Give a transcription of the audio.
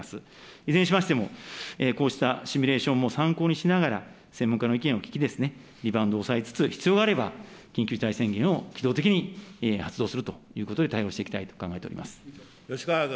いずれにしましても、こうしたシミュレーションも参考にしながら、専門家の意見を聞き、リバウンドを抑えつつ、必要があれば、緊急事態宣言を機動的に発動するということで対応していきたいと考え吉川君。